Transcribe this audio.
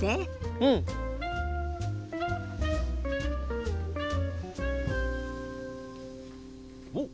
うん！おっ！